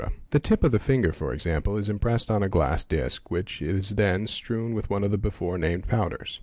The tip of the finger, for example, is impressed on a glass disc, which is then strewn with one of the before named powders.